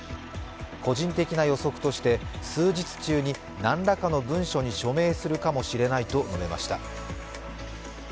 個人的な予測として、数日中に何らかの文書に署名するかもしれないと述べました。